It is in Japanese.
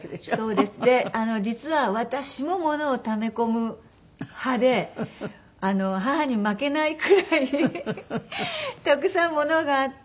で実は私もものをため込む派で母に負けないくらいたくさんものがあって。